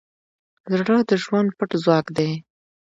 زړه د ژوند پټ ځواک دی.